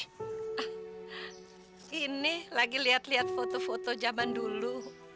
nah ini lagi lihat lihat foto foto zaman dulu